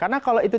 karena kalau itu